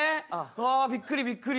あびっくりびっくり。